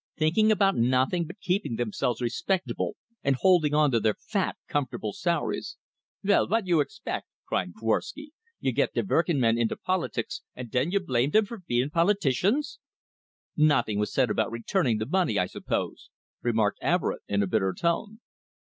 Thinking about nothing but keeping themselves respectable, and holding on to their fat, comfortable salaries!" "Vell, vat you expect?" cried Korwsky. "You git de verkin' men into politics, and den you blame dem fer bein' politicians!" "Nothing was said about returning the money, I suppose?" remarked Everett, in a bitter tone.